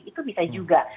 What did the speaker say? itu bisa juga